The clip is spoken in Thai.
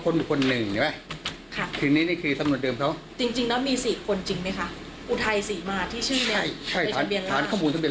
นี่ไงชี้ภาพแล้วชี้ภาพนี่เขาค้นบุคคลหนึ่ง